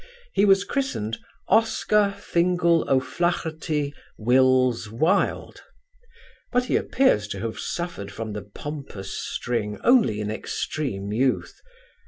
He was christened Oscar Fingal O'Flahertie Wills Wilde; but he appears to have suffered from the pompous string only in extreme youth.